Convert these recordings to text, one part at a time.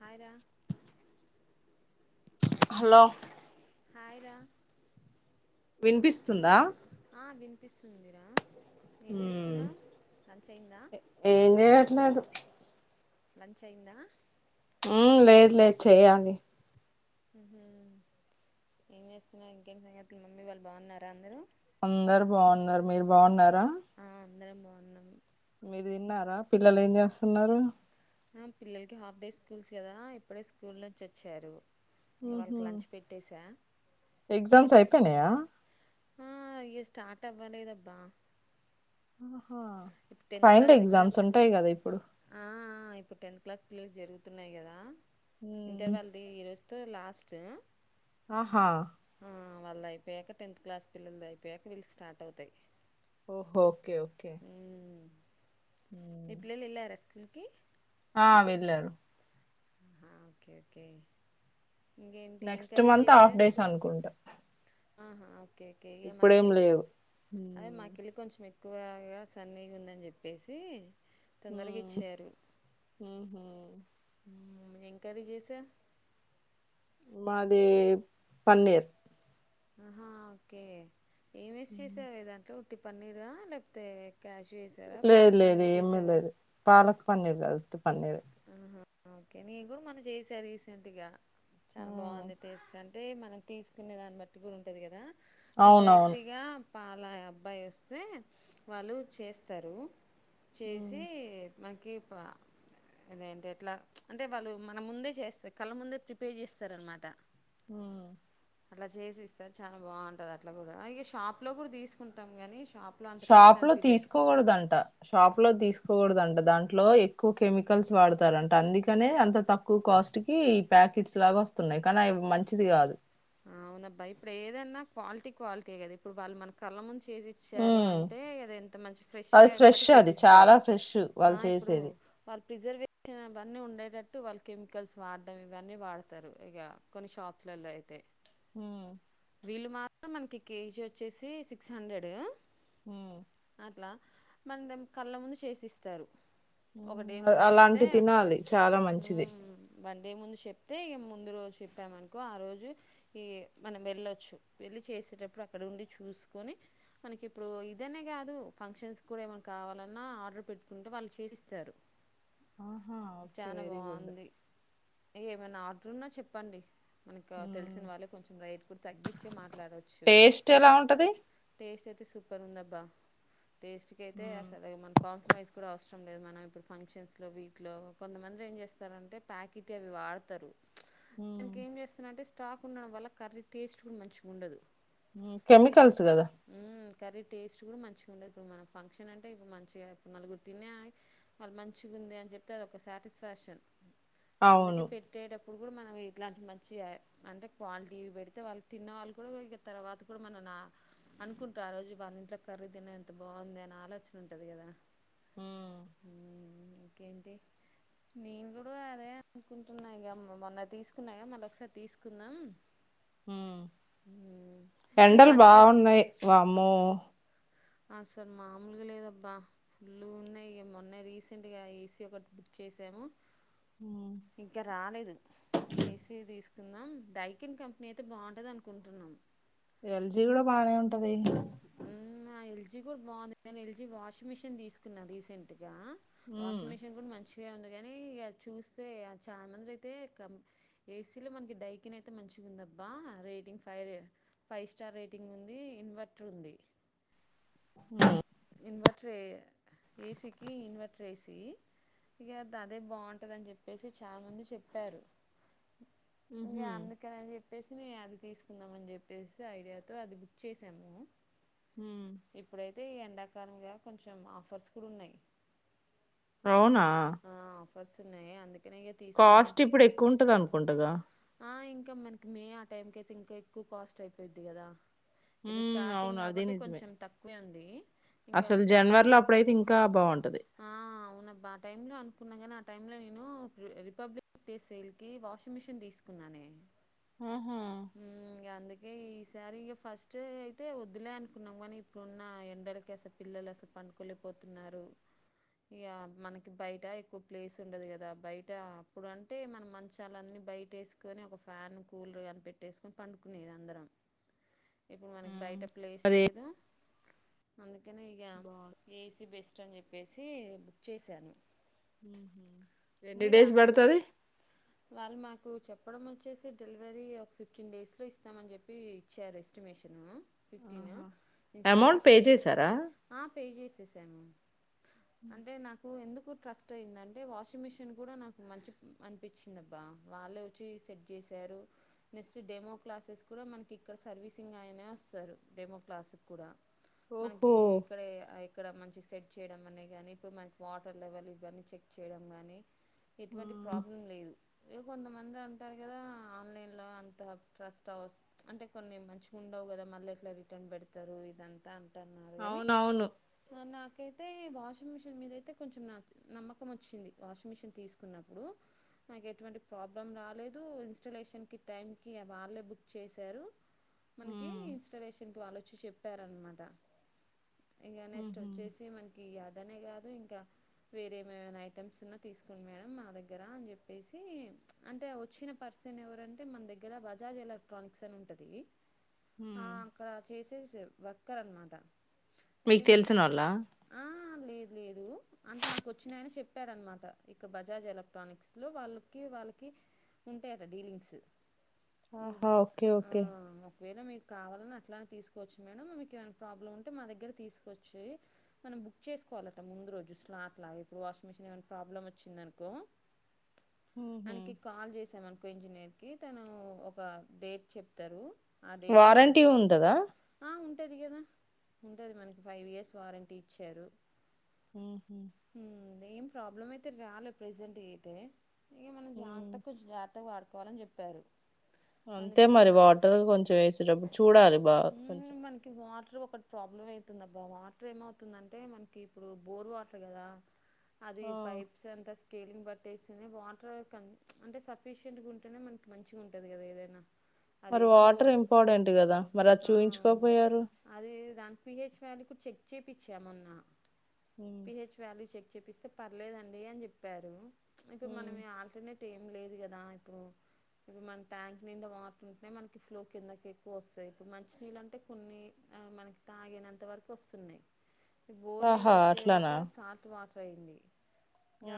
Hi రా hello hi రా వినిపిస్తుందా ఆ వినిపిస్తుంది రా ఉమ్ ఏం చేయట్లేదు. లంచ్ అయిందా ఉమ్ లేదు లేదు చెయాలి ఊహు ఏం చేస్తున్నావు ఇంకేంటి సంగతులు మమ్మీ వాళ్ళు బాగున్నారా అందరూ. అందరు బాగున్నారు మీరు బాగున్నారా. ఆ అందరం బాగున్నాం మీరు తిన్నారా పిల్లలు ఏం చేస్తున్నారు ఆ పిల్లలకి హాఫ్ డే స్కూల్స్ కదా ఇప్పుడే స్కూల్ నుంచి వచ్చారు ఇంక ఊహు వాళ్ళకి లంచ్ పెట్టేశా ఇంక ఎగ్జామ్స్ అయిపోయినాయా ఆ, ఇక స్టార్ట్ అవ్వలేదబ్బా ఆహా ఇప్పుడు టెన్త్ ఫైనల్ క్లాస్ ఎగ్జామ్స్ ఉంటాయి కదా ఇప్పుడు ఆ, ఇప్పుడు టెన్త్ క్లాస్ పిల్లలకు జరుగుతున్నాయి కదా. ఇంటర్ మ్మ్ వాళ్ళది ఈరోజు తో లాస్టు ఆహా వాళ్లది అయిపోయాక టెన్త్ క్లాస్ పిల్లలది అయిపోయాక వీళ్ళకి స్టార్ట్ అవుతాయి ఓహో ఓకే ఓకే మ్మ్ మీ మ్మ్ పిల్లలు వెళ్ళారా స్కూల్‌కి. ఆ వెళ్ళారు ఆ ఓకే ఓకే ఇంకేంటి ఏం next curry month half days అనుకుంటా ఆ హా ఓకే ఓకే ఇ ఇప్పుడేం మనకే లేవు అదే మ్మ్ మాకిళ్ళి కొంచెం ఎ ఎక్కువగా సన్నీగ ఉందని చెప్పేసి ఊ తొందరగా ఇచ్చారు ఊహు ఉహుం.. ఏం కర్రీ చేసావు మాది పన్నీర్ ఆహా ఓకే ఏం వేస్ చేసావే దాంట్లో పన్నీరా లేకపోతే క్యాషు వేసారా లేదు పాలక్ లేదు పన్నీర్ ఏమీ చేసావా లేదు పాలక్ పన్నీర్ కాదు. ఉత్తి పన్నీరే ఓకే నేను కూడా మన్న చేసా రీసెంట్ గా చాలా బాగుంది టేస్ట్ అం అంటే మనం తీసుకునే దాన్ని బట్టి కూడా ఉంటది కదా నేన్‌ అవునవును డైరెక్ట్‌గా పాల అబ్బాయి వస్తే వాళ్ళు చేస్తారు చేసి మకి పా అదేంటే ఎట్లా అంటే వాళ్ళు మన ముందే చేస్తారు కళ్ళ ముందే ప్రిపేర్ చేస్తారనమాట ఉ అట్లా చేసి ఇస్తారు చాలా బాగుంటది అట్లా కూడా ఇగ షాప్ లో కూడా తీసుకుంటాం కాని షాప్ లో తీసుకోకూడదంట షాప్ లో తీసు కూడదంట దాంట్లో ఎక్కువ కెమికల్స్ వాడతారంట అందుకనే అంత తక్కువ కాస్ట్ కి ఈ ప్యాకెట్స్ లాగా వస్తున్నాయి కానీ అవి మంచిది కాదు అవున అబ్బాయి ఇప్పుడు ఏదన్నా క్వాలిటీ క్వాలిటీ కదా ఇప్పుడు వాళ్ళు మన కళ్ళ మున్ చేసి ఇచ్చారు ఉమ్ అంటే అది ఎంత మంచి ఫ్రెష్ అది గా ఏంబటే చేసి అది చాలా ఇస్తారు ఫ్రెష్ ఆ వాళ్ళు ఇప్పుడు చేసేది ప్రిజర్వేటిన్ అవన్నీ ఉండేటట్టు వాళ్ళు కెమికల్స్ వాడడం ఇవన్నీ వాడతారు ఇగ కొన్ని షాప్స్లలో అయితే ఉ వీళ్ళు మాత్రం మనకి కేజీ వచ్చేసి సిక్స్ హండ్రెడ్ ఉ అట్లా మన కళ్ళ ముందు చేసిస్తారు ఒక ఉమ్, డే అ- ముందు చెప్తే అలాంటి తినాలి చాలా ఉ మంచిది వన్ డే ముందు చెప్తే ఇమ్ము ముందు రోజు చెప్పా మనుకో ఆ రోజు ఈ మనకు వెళ్ళొచ్చు వెళ్ళి చేసేటప్పుడు అక్కడ ఉండి చూసుకొని మనకి ఇప్పుడు ఇదనే కాదు ఫంక్షన్స్కి కూడా ఏమైనా కావాలన్నా ఆర్డర్ పెట్టుకుంటే వాళ్ళు చేసిస్తారు ఆహా ఓకే చాలా వెరీ గుడ్ బాగుంది ఏమైనా ఆర్డర్ ఉన్నా చెప్పండి మనకి ఉమ్, తెలిసిన వాళ్ళే కొంచెం రేట్ తగ్గించే మాట మాట్లాడచ్చు టేస్ట్ ఎలా ఉంటది టేస్ట్ ఎట్లు సూపర్ ఉందబ్బా టేస్ట్ కి అయితే ఉమ్, అసలు మన కాంప్రమైజ్ కూడా అవసరం లేదు మనం ఇప్పుడు ఫంక్షన్స్లో వీటిలో కొంతమంది ఏం చేస్తారంటే ప్యాకెట్ అవి వాడతారు ఉమ్, దానికి ఏం చేస్తున్నంటే స్టాక్ ఉండడం వల్ల కర్రీ టేస్ట్ కూడా మంచిగా ఉండదు ఉ ఇప్పుడు కెమికల్స్ కదా మ్మ్ కర్రీ టేస్ట్ మంచిగా ఉండదు మనం ఫంక్షన్ అంటే ఇప్పుడు మంచిగా ఇప్పుడు నలుగురు తినే వాళ్ళు మంచిగా ఉంది అని చెప్తే అదొక సాటిస్ఫాక్షన్ అందుకే అవును పెట్టేటప్ ఇప్పుడు కూడా మనం ఇట్లాంటి మంచిగా అంటే క్వాలిటీ పెడి తే వాళ్ళు తిన్న వాళ్ళు కూడా ఇక తర్వాత కూడా మనన అనుకుంటారు ఆ రోజు వాళ్ళ ఇంట్లో కర్రీ తిన్న ఎంత బాగుంది అనే ఆలోచన ఉంటది కదా ఉమ్, ఇంకేంటి నేను కూడా అదే అనుకుంటున్నా ఇక మొన్న తీసుకున్నా మళ్ళ ఒకసారి తీసుకుందాం ఉమ్. ఉ ఎండలు బాగున్నాయి వామ్మో అసల మామూలుగా లేదబ్బా ఫుల్ ఉన్నాయి ఇ మొన్న రీసెంట్గా ఏసీ ఒకటి బుక్ చేసాము ఉమ్, ఇంకా రాలేదు ఏసీ తీసు కుందాం డైకిన్ కంపెనీ అయితే బావుంటందనుకుంటున్నాం ఎ ల్ జి కూడా బాగానే ఉంటది మ్ ఆ ఎల్ జి కూడా బాగుంది నేను ఎల్ జీ వాషింగ్ మిషిన్ తీసుకున్నాను రీసెంట్ ఆ ఉమ్, వాషింగ్ మిషన్ కూడా మంచి బాగానేఉంది కానీ ఇక చూస్తే చాలా మంది అయితే కం ఏసీలో మనకి డైకిన్ అయితే మంచిగుందబ్బా rating five five star rating ఉంది ఇన్వర్ ట్రుంది [unintelligible] ఇన్వర్టర్ ఏ ఏసీకి ఇన్వర్టర్ ఏసీ ఇక అదే బాగుంటుందని చెప్పేసి చాలా మంది చెప్పారు ఇంకా ఉహుం, అందుకనేని చె చెప్పేసి నే అది తీసుకుందాం అని చెప్పేసి ఐడియాతో అది బుక్ చేసాము ఉ మ్ తే ఎండక్ సంధ్య కొంచెం ఆఫర్స్ కూడూన్నాయి బ్రౌనా వస్తున్నాయి అందుక్ కాస్ట్ ఇప్పుడు ఎక్కువ ఉంటది అనుకుంటగా కా మనకి మే ఆ టైం కి అయితే ఇంకా ఎక్కువ కాస్ట్ అయిపోయిద్ది కదా ఇప్పుడు ఉమ్, స్టార్టింగ్ అవును అదే కాబట్టి నిజమే కొంచెం తక్కువే ఉం దే అసలు జనవరి లో అప్పుడైతే ఇంకా బావుంటది ఆ అవునబ్బ ఆ టైంలో అనుకున్నా కానీ ఆ టైంలో నేను రిపబ్లిక్ డే సేల్ కి వాషింగ్ మిషిన్ తీసుకున్నానే ఊహూ కే ఈసారి ఇగ ఫస్ట్ అయితే వద్దులే అనుకున్నాం ఇప్పుడున్న ఎండలకి అసలు పిల్లలు అసలు పనుకోలేకపోతున్నారు ఇగ మనకి బయట ఎక్కువ ప్లేస్ ఉండదు కదా బయట అప్పుడు అంటే మనం మంచాలన్నీ బయట వేసుకొని ఒక ఫ్యాన్ కూలర్ అని పెట్టేసుకని పండుకునేది అందరం ఇప్పుడు మనకి బైట ప్లేస్ లేదు అందుక్ [unintelligible] ఇగ బాగు ఏసీ బెస్ చ్చన్ జె ప్పేసి బుక్ చేశాను ఊహూ ఎన్ని డేస్ మీరా? పడతాది ప్పడం వొచ్చేసి డెలివరీ ఓ ఫిఫ్టీన్ డేస్లో ఇస్తామని చెప్పి ఇచ్చారు estimation fifteen amount pay installation చేసారా ఆ పే చేసేశాము అంటే నాకు ఎందుక్ కు ట్రస్ట్ అయిందంటే వాషింగ్ మిషన్ కూడా నాకు మంచి అనిపించిందిబ్బా వాళ్ళే వచ్చి సెట్ చేశారు నెక్స్ట్ డెమో క్లాసెస్ కూడా మనకి ఇక్కడ సర్వీసింగ్ అయినే వస్తారు డెమో క్లాసుక్కూడా ఓహో మనకి ఇక్కడ ఇక్కడ మని జి సెడ్జ్ చేయడం అనే గానీ ఇప్పుడు మనకి వాటర్ లెవెల్ ఇవన్నీ చెక్ చేయడం గానీ ఆ, ఎటువంటి ప్రాబ్లం లేదు ఇగ కొంతమంది అంటారు కదా ఆన్లైన్ లో అంత ట్రస్ట్ అవస్ అంటే కొన్ని మంచిగా ఉండవు కదా మళ్ళీ ఎట్లా రిటర్న్ పెడతారు ఇదంతా అంటున్నారు అవునవును దే ఈ వాషింగ్ మిషన్ మీద అయితే కొంచెం నక్ నమ్మకం వచ్చింది వాషింగ్ మిషన్ తీసుకున్నప్పుడు నాకు ఎటువంటి ప్రాబ్లం రాలేదు ఇన్స్టాలేషన్కి టైంకి వాళ్ళే బుక్ చేసారు మనకి ఉమ్, ఇన్స్టాలేషన్ వాలోచి చెప్పారనమాట ఇక హ్మ్ నెక్స్ట్ హు వచ్చేసి మనకి అదనే కాదు ఇంకా, వేరేమమైనా ఐటమ్స్ ఉన్నా తీసుకోండి మేడం మా దగ్గర అని చెప్పేసి, అంటే వచ్చిన పర్సన్ ఎవరంటే మన దగ్గర బజాజ్ ఎలక్ట్రానిక్స్ అని ఉంటది ఆ ఉమ్. అక్కడ చేసేస్వ్ వర్కర్ అన్నమాట అయితే మీకు ఆ ఆ లేదు లేదు అంటే మాకు వచ్చిన ఆయన చెప్పాడనమాట, ఇక్కడా బజాజ్ ఎలక్ట్రానిక్స్ లో వాళ్ళకి వాళ్ళకి ఉంటాయట డీలింగ్స్ ఆహా ఓకే ఆ ఓకే ఒకవేళ మీక్ కావాలని అట్లా అనే తీసుకోవచ్చు మేడంమ్ మీకు ఏమైనా ప్రాబ్లమ్ ఉంటే మా దగ్గర తీసుకోవచ్చు. మనం బుక్ చేసుకోవాలట ముందు రోజుస్లా అట్లా ఇప్పుడు వాషింగ్ మిషన్ ఏమైనా ప్రాబ్లం వచ్చిందనుకో ఉహు, ఆయనకి కాల్ చేసామనుకో ఇంజనీర్ కి తను ఒక డేట్ చెప్తారు ఆ డేట్కి మేము వారంటీ ఉంటదా ఆ, ఉంటది కదా ఉంటది మనకి ఫైవ్ ఇయర్స్ వారంటీ ఇచ్చారు హు హ్మ్ మ్, ఏం ప్రాబ్లమ్ అయితే రాలే ప్రజెంట్ గా అయితే ఏ మన జాగ్త కొంచం జార్ త్త వాడుకోవాలని చెప్పారు అంతే మరి వాటర్ కొంచెం వేసిటడబ్బు మ్ మనకి వాటర్ ఒకటి ప్రాబ్లం అయితుంది అబ్బా వాటర్ ఏమవుతుందంటే, మనకి ఇప్పుడు బోర్ వాటర్ కదా. అది ఆ, పైప్స్ అంతా స్ కెలింగ్ బట్టేసినే వాటర్ కన్ అంటే సఫిషియయంట్గా ఉంటేనే, మనకి మంచిగా ఉంటది కదా ఏదైనా. అది మర్ ఫ్లో వాటర్ ఇంపార్టెంట్ గదా మరి అది ఆ, చూయించుకోపోయారు చేపిచ్చామొన్నా ఉమ్, పిహెచ్ వాల్యూ చెక్ చెపిస్తే పర్లేదండి అని చెప్పారు ఇప్పుడు ఉమ్. మనమీ ఆల్టర్నేట్ ఏం లేదు కదా ఇప్పుడు, ఇప్పుడు మన ట్యాంక్ నిండా వాటర్ ఉంటే నే మనకి ఫ్లో కిందకి. కోస్తాయి ఇప్పుడు మంచినీళ్ళు అంటే కొన్ని మనకి తాగినంత వరకు వస్తున్నాయి. ఈ బోర్ నీళ్ ఆహా వచ్చేలో అట్లానా క సాల్ట్ వాట్ రై యింది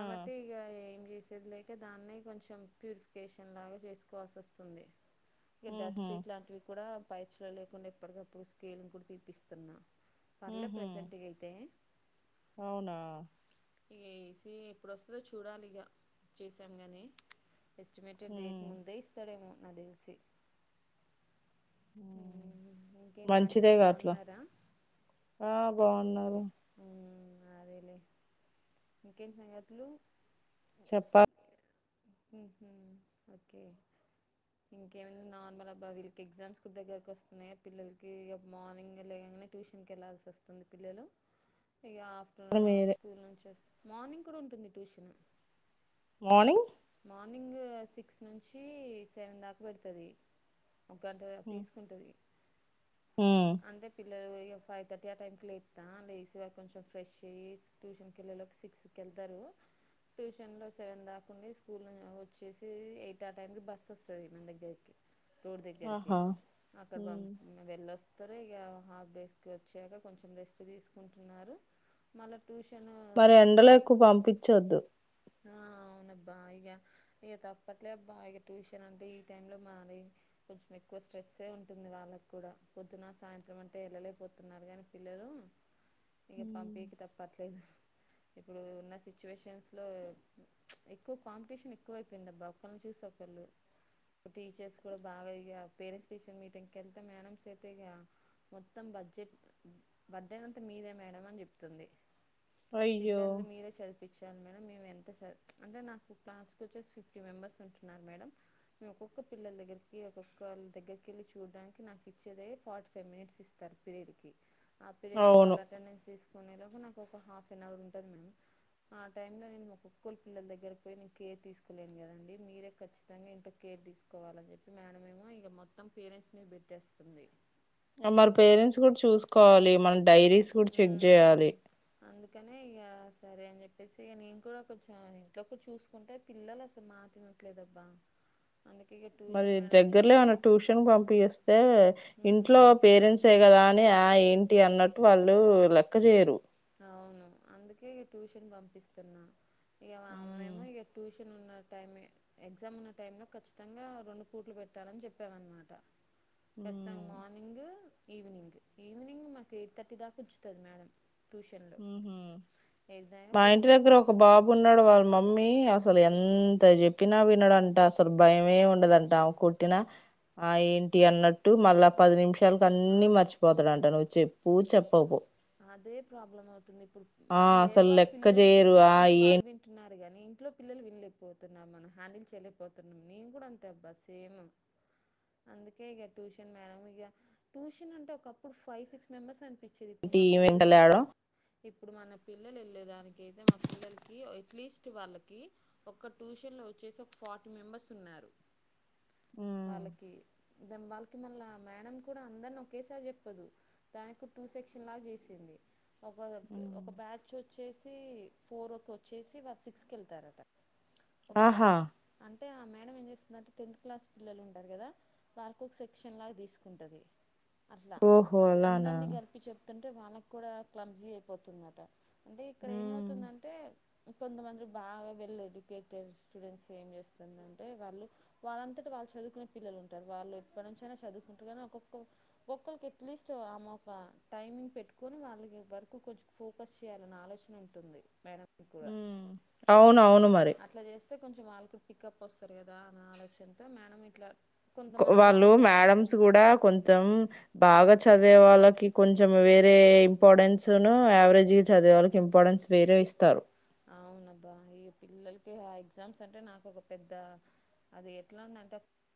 ఆ, ఇగ ఏన్ చేసేది లేక దాన్నే కొంచం ప్యూరిఫికేషన్ లాగా చేసుకోవాల్సి వస్తుంది ఇగ ఉహు, డస్ట్ ఇట్లాంటివి కూడా పైప్స్ లో లేకుండా ఎప్పటికప్పుడు స్కేలింగ్ కూడా తీపిస్తున్నా పర్లే ఉహు. ప్రజెంట్ గెయితే అవునా ఇగ ఏసీ ఎప్పుడు వస్తదో చూడాలి ఇగ చేసాము గానీ ఎస్టిమేటెడ్ డేట్ ఉమ్, ముందే ఇస్తాడేమో నా దెల్సి హ్మ్ మంచిదే వాళ్ళు గా అట్లా బాగున్నారా ఆ బావున్నారు హ్మ్ అదేలే ఇంకేంటి సంగతులు చెప్పా హ్మ్ హు ఓకే ఇంకేమ నార్మల్ అబ్బా వీళ్ళకి ఎగ్జామ్స్ గు దగ్గరకు వస్తున్నాయా పిల్లలకి మార్నింగ్ లేగానే ట్యూషన్కి వెళ్ళల్సి వస్తుంది పిల్లలు ఇగ ఆఫ్టర్నూన్ మీరే స్కూల్ నుంచి మార్నింగ్ కూడా ఉంటుంది ట్యూషన్ మానింగ్ మార్నింగ్ సిక్స్ నుంచి సెవెన్ దాకా పెడతాది ఒక గంట తీసుకుంటది మ్మ్ అంటే పిల్లలు ఇగ ఫైవ్ తర్టీ ఆ టైంకి లేపుతా లేసి వా కొంచెం ఫ్రెష్ అయ్యి ట్యూషన్కి వెళ్ళలోకి సిక్స్కి వెళ్తారు ట్యూషన్లో సెవెన్ దాకుండి స్కూల్ న్ వచ్చేసి ఎయిట్ ఆ టైంకి బస్ వస్తది మన దగ్గరికి రోడ్ దగ్గరకి ఆహా అక్కడ పంపు వెళ్ళొ సరే ఇగ హాఫ్ డేస్ కి వచ్చాక కొంచెం రెస్ట్ తీసుకుంటున్నారు, మళ్ళ ట్యూషన్ మరి ఎండలో ఎక్కువ పంపించొద్దు ఆ అవునబ్బా ఇక ఇక తప్పట్లే అబ్బా ఇక ట్యూషన్ అంటే ఈ టై లో మరి కొంచెం ఎక్కువ స్ట్రెస్సే ఉంటుంది వాళ్ళకు కూడా, పొద్దున సాయంత్రం అంటే వెళ్ళలేకపోతున్నారు కానీ పిల్లలు ఇక పంపకి తప్పట్లేదు ఇప్పుడు ఉన్న సిచ్యువేషన్స్ అట్లో ఎక్కువ కాంపిటీషన్ ఎక్కువ అైపోయింది అబ్బా, ఒకరిని చూసి ఒకళ్ళు, టీచర్స్ కూడా బాగా ఇక పేరెంట్స్ టీచర్ మీటింగ్కి వెళ్తే మేడంమ్స్ అయితే ఇక మొత్తం బడ్జెట్ బర్త్డేనంత మీదే మేడం అని చెప్తుంది. అయ్యో పిల్లల్ని మీరే చదిపి పిచ్చను మేడం మేము ఎంత చ అంటే నాకు క్లాస్క్ వచ్చేస్ ఫిఫ్టీ మెంబర్స్ ఉంటున్నారు మేడం మేము ఒక్కొక్క పిల్లల దగ్గరికి ఒక్కొక్కళ్ళ దగ్గరికి వెళ్ళి చూడడానికి నాకు ఇచ్చేదే ఫార్టీ ఫైవ్ మినిట్స్ ఇస్తారు పీరియడ్కి ఆ పీరియడ్ లో అవును వాళ్ళ అటెండెన్స్ తీసు కొనేలాగా నాకు ఒక హాఫ్ అన్ అవర్ ఉంటది మేడం ఆ టైంలో నేను ము ఒక్కలోళ్ళ పిల్లల దగ్గర పోయి నేను కేర్ తీసుకోలేను కదండి మీరే ఖచ్చితంగా ఇంట్లో కేర్ తీసుకోవాలని చెప్పి మేడేమో ఇగ మొత్తం పేరెంట్స్ మీద పెట్టేస్తుంది. మరి పేరెంట్స్ కూడా చూసుకొ కోవాలి మనం డైరీస్ కూడా చెక్ ఉమ్ చేయాలి అందుకనే ఇగ సరే అని చెప్పేసి నేను కూడా కొంచెం ఇంట్లోక చూసుకుంటే పిల్లలు అసలు మాటినట్లేదబ్బా మరి దగ్గరలో ఏమన్న ట్యూషన్ పంపి ఎస్తే ఇంట్లో ఉమ్ పేరెంట్సే కదా అని ఆ ఏం ఏంటి అన్నట్టు వాళ్ళు లెక్క చేయరు అవును అందుకే ఇ ట్యూషన్ పంపిస్తున్నా ఇగ వామేమో మ్మ్ ఇగ టూష్ షన్ ఉన్న టైమే ఎగ్జామ్ ఉన్న టైం లో ఖచ్చితంగా రెండు పూట్లు పెట్టాలని చెప్పాన్ అనమాట ఖచ్చితంగా మ్మ్ మార్నింగు ఈవినింగ్ ఈవినింగ్ మాకు ఎయిట్ థర్టీ దాకా ఉంచుతది మేడం ట్యూషన్లో హ్మ్ హు ఏదైనా మా ఇంటి దగ్గర ఒక బాబు ఉన్నాడు వాళ్ళ మమ్మీ అసలు ఎంత చెప్పినా వినడంట అసలు భయమే ఉండదంట ఆమె కొట్టినా ఆ ఏంటి అన్నట్టు మళ్ళా పది నిమిషాలు షాలకి అన్ని కొంచెం మర్చిపోతాడంట నువ్వు చెప్ పూచప్పపు అదే ప్రాబ్లం అవుతుంది ఇప్పుడు ఆ మనం అసలు వేరేళ్ళ లెక్క పిల్లలకి చేయరు ఆ చెప్తుంటే వాళ్ళు వింటున్నారు [unintelligible] ఇంట్లో పిల్లలు విన్లేకపోతున్నా మనం హ్యాండిల్ చేయలేకపోతున్నాం నేను కూడా అంతే అబ్బా సేమ్ అందుకే ఇగ ట్యూషన్ మేడం ఇ ట్యూషన్ అంటే ఒకప్పుడు ఫైవ్ సిక్స్ మెంబర్స్ అనిపిచే ఏంటి వెంట లేడ ఇప్పుడు మన పిల్లలు వెళ్ళేదానికి అయితే మా పిల్లలకి ఎట్లీస్ట్ వాళ్ళకి ఒక ట్యూషన్లో వచ్చేసి ఒక ఫార్టీ మెంబర్స్ ఉన్నారు. వాళ్ళకి దంబల్కి మళ్ళ మేడం కూడా అందరిని ఒకేసారి చెప్పదు దానికు టూ సెక్ష క్షన్ లాగా చేసింది ఒక దగ్ ఒక బ్యాచ్ వచ్ చ్చేసి ఫోర్ కు వచ్చేసి వాళ సిక్స్కి వెళ్తారట ఒక ఆహా బ్యాచ్ అన్ అంటే ఆ మేడం ఏం చేస్తుందంటే టెన్త్ క్లాస్ పిల్లలు ఉంటారు కదా వారికి ఒక సెక్షన్లాగా తీసుకుంటది అట్లా ఓహో అలానా అందరినీ గలిపి చెప్ తుంటే వాళ్ళకి కూడా క్లంబ్జి అయిపోతుందట అంటే ఇక్కడ ఉమ్, ఏమవుతుందంటే కొందమంది బాగా వెళ్ళదు. స్టూడెంట్స్ ఏం చేస్తుందింటే వాళ్ళు వాళ్ళంతట వాళ్ళు చదువుకునే పిల్లలు ఉంటారు. వాళ్ళు ఎప్పటి నుంచ ఐనా చదువుకుంటారు. కానీ ఒక్కొక్క ఒక్కొక్కరికి అట్లీస్ట్ ఆమె ఒక టైమింగ్ పెట్టుకొని వాళ్ళకి వరకు కొంచెం ఫోకస్ చేయాలన్న ఆలోచన ఉంటుంది మేడం. ఉ అవును అవును మరి అట్లా చేస్తే కొంచెం వాళ్ళకి పికప్ వస్తారు కదా అన్న ఆలోచనతో మేడం ఇట్లా. కొంతమంది వాళ్ళు కొంతమంది మేడమ్స్ అట్లా కూడా కొంచెం బాగా చదివే వాళ్ళకి కొంచెం వేరే ఇంపార్టెన్స్ ను, యావరేజ్ చదివ వాళ్ళకి ఇంపార్టెన్స్ వేరే ఇస్తారు. అవునబ్బా ఈ పిల్లలకి ఆ ఎగ్జామ్స్ అంటే నాకు ఒక పెద్ద అది ఎట్లా ఉంది. అంటే